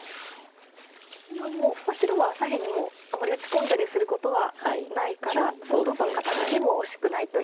白は左辺にもうあまり打ち込んだりすることはないからどんどん固めても惜しくないというところなんですか。